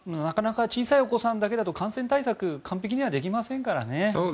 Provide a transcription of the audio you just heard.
なかなか小さいお子さんだけだと感染対策完璧にはできませんからね。